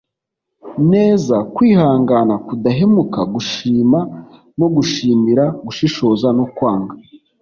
neza, kwihangana, kudahemuka, gushima no gushimira, gushishoza no kwanga